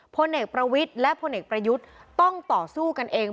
พลเอกประวิทย์และพลเอกประยุทธ์ต้องต่อสู้กันเอง